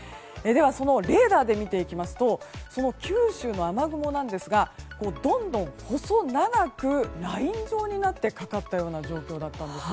レーダーで見てみますと九州の雨雲なんですがどんどん細長くライン状になってかかったような状況だったんですよ。